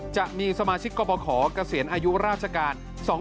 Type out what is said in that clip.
จะมีสมาชิกกรบขอเกษียณอายุราชการ